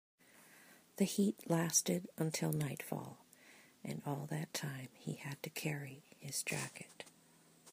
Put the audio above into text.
The heat lasted until nightfall, and all that time he had to carry his jacket.